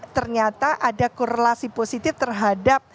ternyata ada korelasi positif terhadap